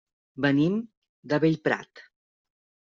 Venim de Bellprat.